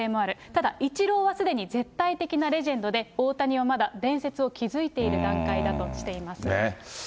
ただ、イチローはすでに絶対的なレジェンドで、大谷はまだ伝説を築いている段階だとしています。